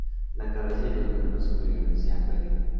La cabeza y los miembros inferiores se han perdido.